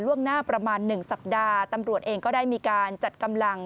ล่วงหน้าประมาณ๑สัปดาห์ตำรวจเองก็ได้มีการจัดกำลัง